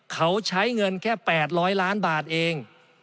เขาใช้เงินแค่๘๐๐ล้านบาทเอง